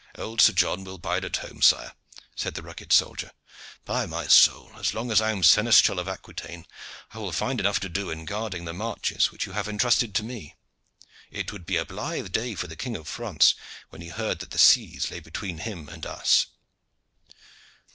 "Old John will bide at home, sire," said the rugged soldier. "By my soul! as long as I am seneschal of Aquitaine I will find enough to do in guarding the marches which you have entrusted to me. It would be a blithe day for the King of France when he heard that the seas lay between him and us."